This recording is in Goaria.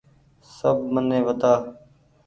سب مني وتآ ۔